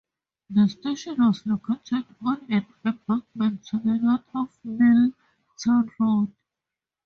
The station was located on an embankment to the north of Milltown Road.